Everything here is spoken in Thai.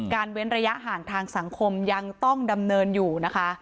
เว้นระยะห่างทางสังคมยังต้องดำเนินอยู่นะคะ